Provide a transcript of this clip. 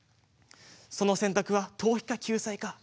その選択は逃避か、救済か。